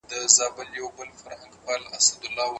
يرموک کي د مسلمان بريا په عدل کي وه.